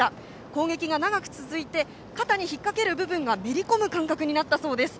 攻撃が長く続いて肩に引っ掛ける部分がめり込む感覚になったそうです。